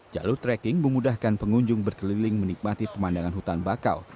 jalur trekking memudahkan pengunjung berkeliling menikmati pemandangan hutan bakau